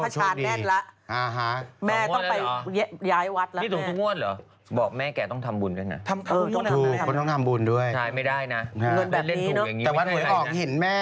อ๋อโชคดีคราวนี้วัดพระชาติแน่นละ